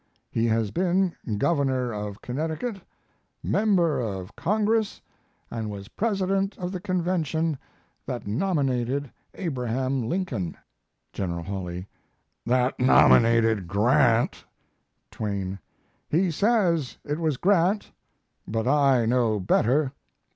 He has been Governor of Connecticut, member of Congress, and was president of the convention that nominated Abraham Lincoln." General Hawley: "That nominated Grant." Twain: "He says it was Grant, but I know better.